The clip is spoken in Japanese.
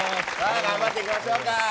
頑張っていきましょうか。